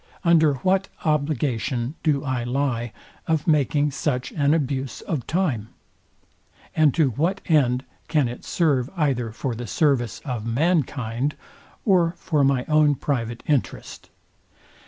Under what obligation do I lie of making such an abuse of time? And to what end can it serve either for the service of mankind, or for my own private interest?